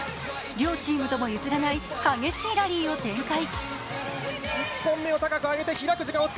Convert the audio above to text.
両チームとも譲らない激しいラリーを展開。